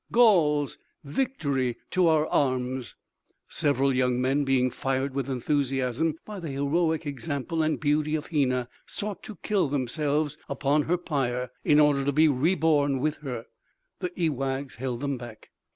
Gauls, victory to our arms!" Several young men, being fired with enthusiasm by the heroic example and beauty of Hena sought to kill themselves upon her pyre in order to be re born with her. The ewaghs held them back.